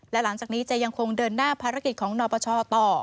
และหลังจากนี้จะยังคงเดินหน้าภารกิจของนปชต่อ